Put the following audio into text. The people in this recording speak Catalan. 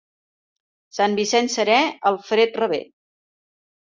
Sant Vicenç serè, el fred revé.